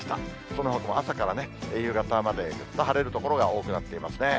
そのほかも朝から夕方まで、ずっと晴れる所が多くなっていますね。